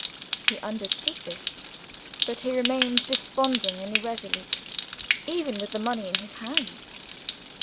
He understood this; but he remained desponding and irresolute, even with the money in his hands.